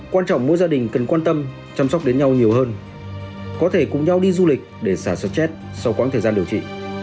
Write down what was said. quan trọng mỗi gia đình cần quan tâm chăm sóc đến nhau nhiều hơn có thể cùng nhau đi du lịch để sản xuất chết sau quãng thời gian điều trị